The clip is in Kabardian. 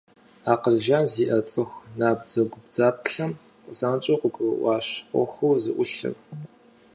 Акъыл жан зиӀэ цӀыху набдзэгубдзаплъэм занщӀэу къыгурыӀуащ Ӏуэхур зыӀутыр.